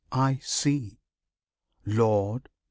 I see! Lord!